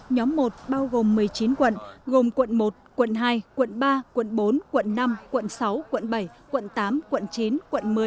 nhóm một bao gồm một mươi chín quận gồm quận một quận hai quận ba quận bốn quận năm quận sáu quận bảy quận tám quận chín quận một mươi